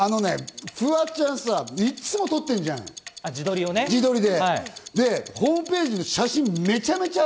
フワちゃんさ、いつも撮ってんじゃん、自撮りで。